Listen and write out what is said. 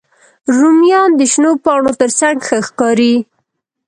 رومیان د شنو پاڼو تر څنګ ښه ښکاري